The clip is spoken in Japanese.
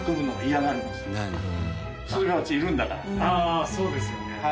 ああそうですよね。